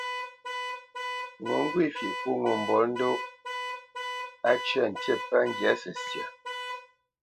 Ŋo ŋgwê fyeʼ pô ŋo mbolə́ndóʼ, á cə̂ ntî pə́ ŋgyǎ səsya.